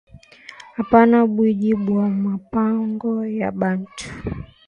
Apana bwiji bwa ma pango ya bantu